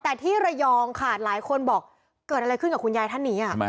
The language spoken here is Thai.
แต่ที่ระยองค่ะหลายคนบอกเกิดอะไรขึ้นกับคุณยายท่านนี้